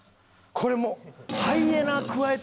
これもう。